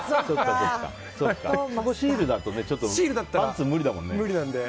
シールだとパンツは無理だもんね。